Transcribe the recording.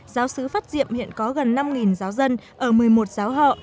giáo sứ phát diệm hiện có gần năm giáo dân ở một mươi một giáo họ